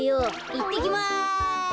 いってきます。